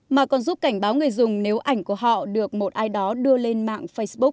mà còn giúp cảnh báo người dùng nếu ảnh của họ được một ai đó đưa lên mạng facebook